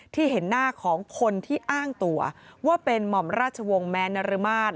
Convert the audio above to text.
ที่เห็นหน้าของคนที่อ้างตัวว่าเป็นหม่อมราชวงศ์แม้นรมาศ